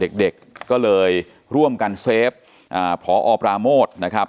เด็กเด็กก็เลยร่วมกันเฟฟพอปราโมทนะครับ